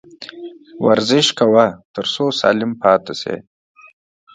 ورزش کوه ، تر څو سالم پاته سې